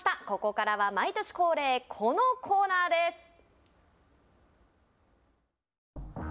ここからは毎年恒例このコーナーです！